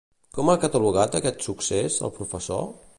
Com ha catalogat aquest succés, el professor?